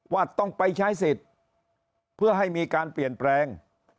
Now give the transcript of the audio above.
ว่าต้องไปใช้สิทธิ์เพื่อให้มีการเปลี่ยนแปลง